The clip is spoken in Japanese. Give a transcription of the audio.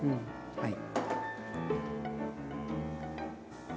はい。